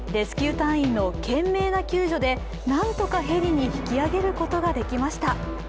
隊員の懸命な救助で何とかヘリに引き上げることができました。